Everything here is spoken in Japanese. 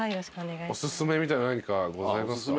おすすめみたいなの何かございますか？